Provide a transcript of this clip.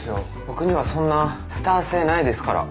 僕にはそんなスター性ないですから。